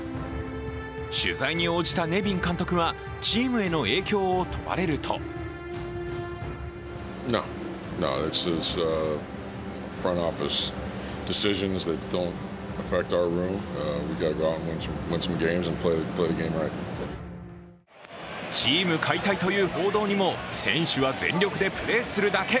取材に応じたネビン監督はチームへの影響を問われるとチーム解体という報道にも選手は全力でプレーするだけ。